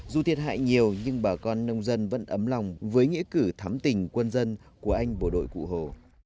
dù thiệt hại nhiều nhưng bà con nông dân vẫn ấm lòng với nghĩa cử thắm tình quân dân của anh bộ đội cụ hồ